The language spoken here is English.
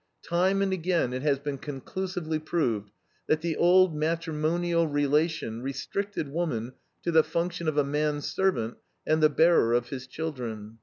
Time and again it has been conclusively proved that the old matrimonial relation restricted woman to the function of a man's servant and the bearer of his children.